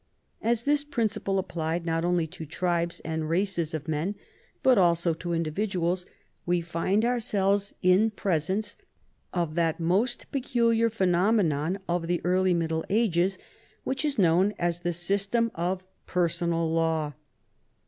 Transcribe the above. As this principle applied not only to tribes and races of men, but also to individuals, we find ourselves in pres ence of that most peculiar phenomenon of the early Middle Ages which is known as the system of " per sonal law."